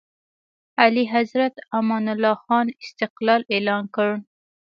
اعلیحضرت امان الله خان استقلال اعلان کړ.